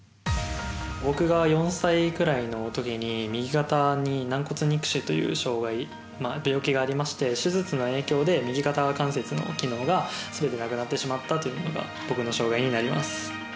僕が４歳ぐらいのときに右肩に軟骨肉腫という病気がありまして手術の影響で右肩関節の機能がすべてなくなってしまったというのが僕の障がいになります。